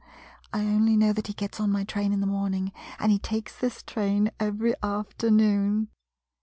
I only know that he gets on my train in the morning, and he takes this train every afternoon.